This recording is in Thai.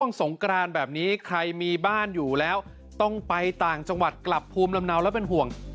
สงกรานแบบนี้ใครมีบ้านอยู่แล้วต้องไปต่างจังหวัดกลับภูมิลำเนาแล้วเป็นห่วง